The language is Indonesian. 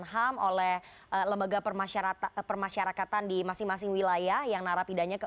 apakah barang barang yang diberikan oleh kementerian hukum dan hukum yang diberikan oleh lembaga pemasyarakatan di masing masing wilayah yang narapidana